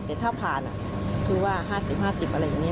แต่ถ้าผ่านคือว่าห้าสิบห้าสิบอะไรแบบนี้